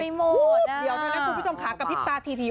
เดี๋ยวนะครับคุณผู้ชมขากระพริบตาที